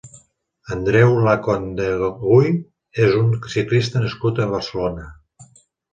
Andreu Lacondeguy és un ciclista nascut a Barcelona.